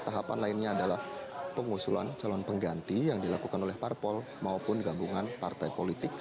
tahapan lainnya adalah pengusulan calon pengganti yang dilakukan oleh parpol maupun gabungan partai politik